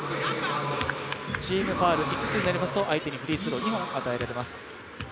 チームファウル５つになりますと相手にフリースロー２本与えられます。